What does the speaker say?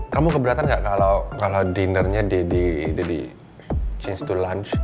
kamu keberatan gak kalau dinernya deddy change to lunch